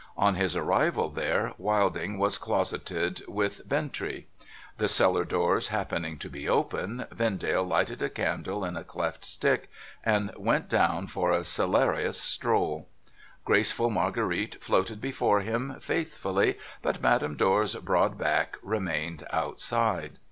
On his arrival there, Abiding was closeted with Bintrey. The cellar doors 502 NO THOROUGHFARE happening to be open, Vcndale lighted a candle in a cleft stick, and went down for a cellarous stroll. Graceful Marguerite floated before him faithfully, but Madame Dor's broad back remained outside.